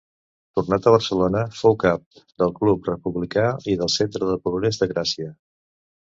Tornat a Barcelona, fou cap del Club Republicà i del Centre de Progrés de Gràcia.